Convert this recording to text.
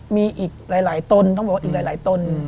มีอีกหลายตนต้องบอกว่าอีกหลายต้น